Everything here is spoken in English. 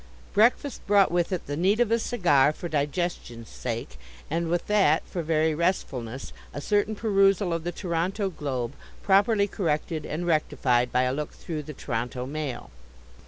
Breakfast brought with it the need of a cigar for digestion's sake and with that, for very restfulness, a certain perusal of the Toronto Globe, properly corrected and rectified by a look through the Toronto Mail.